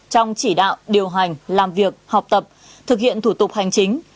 trong chỉ đạo điều hành làm việc học tập thực hiện thủ tục hành chính